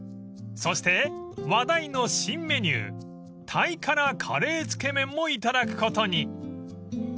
［そして話題の新メニュータイ辛カレーつけ麺もいただくことに］